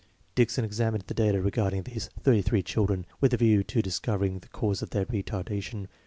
Dickson examined the data regarding these 33 children with a view to discovering the causes of their retardation.